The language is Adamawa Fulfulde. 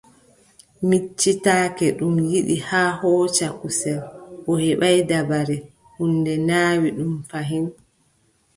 Miccitake ɗum yiɗi haa hooca kusel O heɓaay dabare, huunde naawi ɗum fayin.